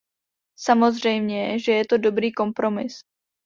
Samozřejmě, že je to dobrý kompromis.